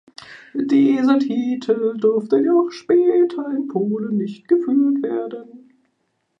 Dieser Titel durfte jedoch später in Polen nicht geführt werden.